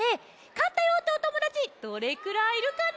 かったよっておともだちどれくらいいるかな？